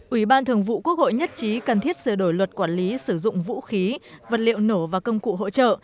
ủy ban thường vụ quốc hội nhất trí cần thiết sửa đổi luật quản lý sử dụng vũ khí vật liệu nổ và công cụ hỗ trợ